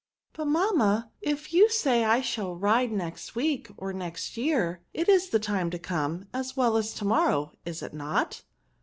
'^ But| mamma, if you said I shall ride next week, or next year, it is the time to come, as well as to morrow, is it not?"